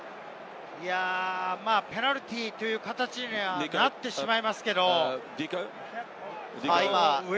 ペナルティーという形になってしまいますけれど。